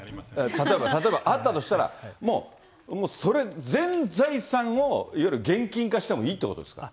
例えば、あったとしたら、もうそれ全財産を、いわゆる現金化してもいいってことですか。